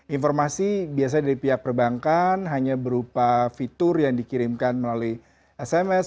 informasi biasanya dari pihak perbankan hanya berupa fitur yang dikirimkan melalui sms